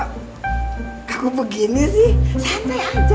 kaku begini sih